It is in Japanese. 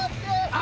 あ！